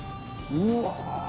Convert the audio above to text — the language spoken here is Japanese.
うわ。